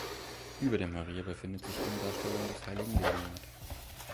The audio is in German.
Über der Maria befindet sich eine Darstellung des Heiligen Leonhard.